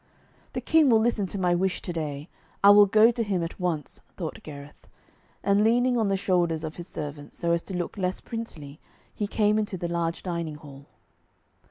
'The King will listen to my wish to day. I will go to him at once,' thought Gareth. And leaning on the shoulders of his servants, so as to look less princely, he came into the large dining hall.